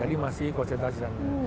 jadi masih konsentrasi sangat